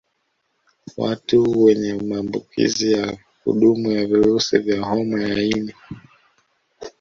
Watu wenye maambukizi ya kudumu ya virusi vya homa ya ini